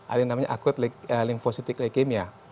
ada yang namanya akut limfositive leukemia